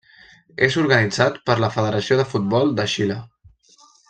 És organitzat per la Federació de Futbol de Xile.